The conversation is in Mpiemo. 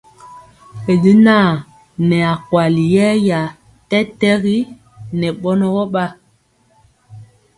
Y jaŋa nɛɛ akweli yeeya tɛtɛgi ŋɛ bɔnɔ wɔ bn.